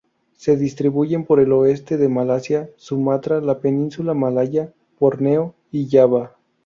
Se distribuyen por el oeste de Malasia, Sumatra, la Península Malaya, Borneo y, Java.